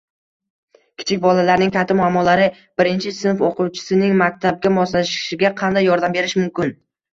Kichik bolalarning katta muammolari: birinchi sinf o‘quvchisining maktabga moslashishiga qanday yordam berish mumkin?